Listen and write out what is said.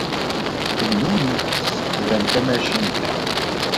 Tennum tessexdam tamacint-a.